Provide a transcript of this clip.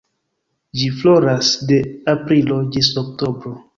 Ĝi floras de aprilo ĝis oktobro.